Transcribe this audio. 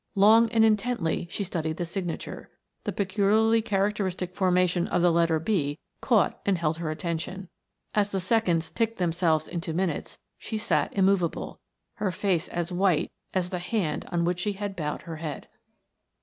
Long and intently she studied the signature the peculiarly characteristic formation of the letter "B" caught and held her attention. As the seconds ticked themselves into minutes she sat immovable, her face as white as the hand on which she had bowed her head.